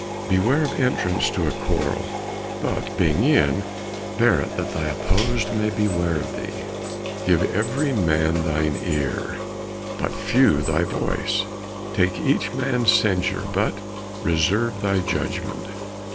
Beware Of entrance to a quarrel, but, being in, Bear 't that th' opposed may beware of thee. Give every man thine ear, but few thy voice; Take each man's censure, but reserve thy judgment.